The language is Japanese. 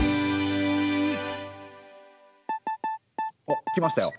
おっ来ましたよ。